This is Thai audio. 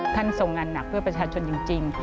ทรงงานหนักเพื่อประชาชนจริง